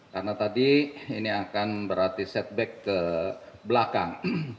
karena tadi ini akan berarti setback ke belakang